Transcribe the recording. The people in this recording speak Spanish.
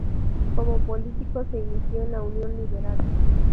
Como político se inició en la Unión Liberal.